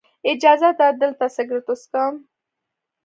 اجازه ده دلته سګرټ وڅکم.